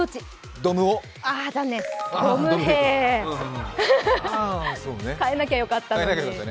残念、どむへい変えなきゃよかったのに。